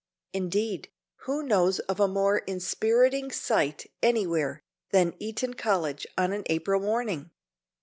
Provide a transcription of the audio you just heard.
Indeed, who knows of a more inspiriting sight anywhere than Eton College on an April morning?